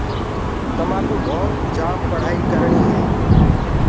تمآڪوُ ڀوت جآم پڙهآئي ڪرڻي هي۔